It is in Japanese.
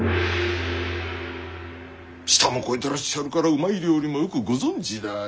舌も肥えてらっしゃるからうまい料理もよくご存じだ。